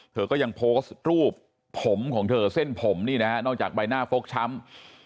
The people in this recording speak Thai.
เธอก็ยังโพสต์รูปผมของเธอเส้นผมนี่นะฮะนอกจากใบหน้าฟกช้ำ